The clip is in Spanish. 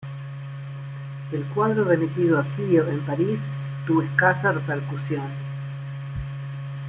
El cuadro remitido a Theo en París tuvo escasa repercusión.